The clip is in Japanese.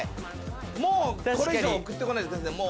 もうこれ以上送って来ないだってもう。